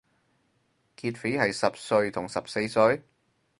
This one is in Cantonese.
劫匪係十歲同十四歲？